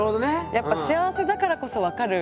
やっぱ幸せだからこそ分かる。